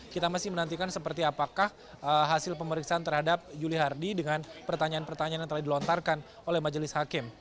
kita masih menantikan seperti apakah hasil pemeriksaan terhadap yuli hardi dengan pertanyaan pertanyaan yang telah dilontarkan oleh majelis hakim